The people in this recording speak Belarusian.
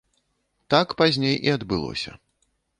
Так пазней і адбылося.